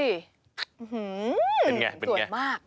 เป็นอย่างไรเป็นอย่างไรสวยมาก